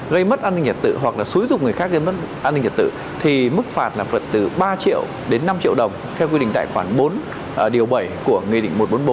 gây mất an ninh trật tự hoặc là xúi dục người khác gây mất an ninh trật tự thì mức phạt là vượt từ ba triệu đến năm triệu đồng theo quy định tại khoản bốn điều bảy của nghị định một trăm bốn mươi bốn